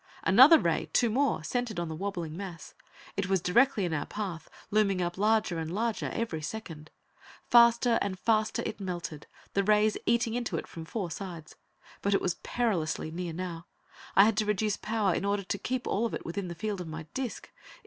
Another ray, two more, centered on the wobbling mass. It was directly in our path, looming up larger and larger every second. Faster and faster it melted, the rays eating into it from four sides. But it was perilously near now; I had to reduce power in order to keep all of it within the field of my disc.